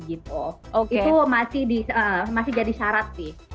itu masih jadi syarat sih